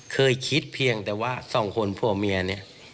เคยคิดเพียงแต่ว่าสองคนผัวเมียเนี่ย